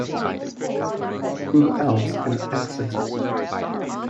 Who else can access it?